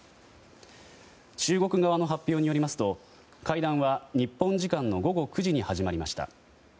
中国側の発表によりますと会談は日本時間の午後９時に始まりました。